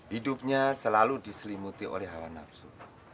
hidupnya selalu diselimuti oleh hawa nafsu